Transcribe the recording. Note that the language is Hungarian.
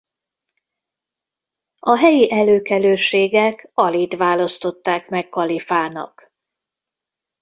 A helyi előkelőségek Alit választották meg kalifának.